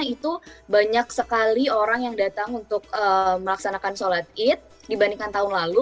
itu banyak sekali orang yang datang untuk melaksanakan sholat id dibandingkan tahun lalu